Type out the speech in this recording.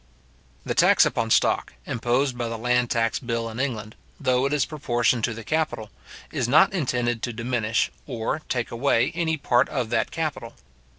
The tax upon stock, imposed by the land tax bill in England, though it is proportioned to the capital, is not intended to diminish or, take away any part of that capital.